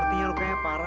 sepertinya rukanya parah